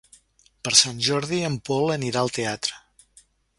Per Sant Jordi en Pol anirà al teatre.